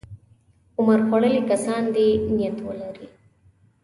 عمر خوړلي کسان دې نیت ولري.